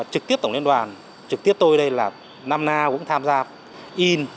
trực tiếp tổng liên đoàn trực tiếp tôi đây là năm nào cũng tham gia in